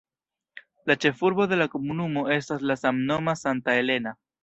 La ĉefurbo de la komunumo estas la samnoma Santa Elena.